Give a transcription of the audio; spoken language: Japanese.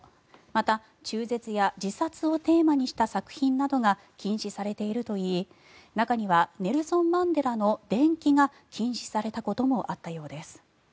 また、中絶や自殺をテーマにした作品などが禁止されているといい中にはネルソン・マンデラの伝記が禁止されたこともあったようです。